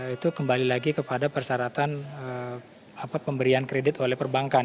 itu kembali lagi kepada persyaratan pemberian kredit oleh perbankan